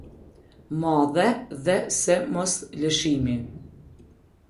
Madhe dhe se mos-lëshimi”.